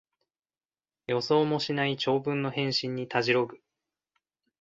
予想もしない長文の返信にたじろぐ